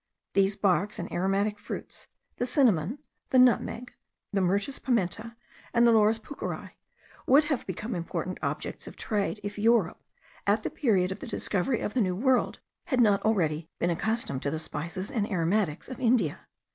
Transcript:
These barks and aromatic fruits, the cinnamon, the nutmeg, the Myrtus pimenta, and the Laurus pucheri, would have become important objects of trade, if Europe, at the period of the discovery of the New World, had not already been accustomed to the spices and aromatics of India.